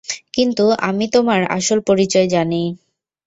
কিন্তু আমি তোমার আসল পরিচয় জানি।